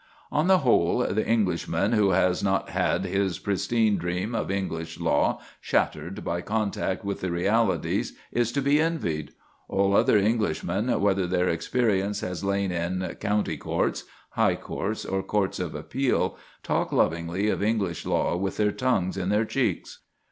On the whole the Englishman who has not had his pristine dream of English law shattered by contact with the realities is to envied. All other Englishmen, whether their experience has lain in County Courts, High Courts, or Courts of Appeal, talk lovingly of English law with their tongues in their cheeks.